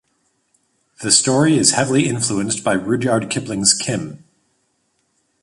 The story is heavily influenced by Rudyard Kipling's "Kim".